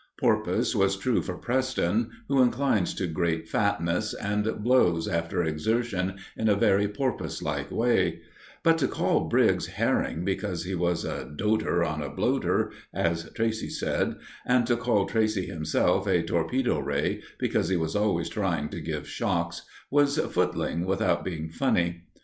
"Porpoise" was true for Preston, who inclines to great fatness, and blows after exertion in a very porpoise like way; but to call Briggs "Herring" because he was a "doter on a bloater," as Tracey said, and to call Tracey himself a "Torpedo Ray" because he was always trying to give shocks, was footling without being funny.